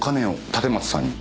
立松さんに。